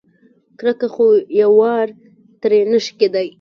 کرکه خو یوار ترې نشي کېدای.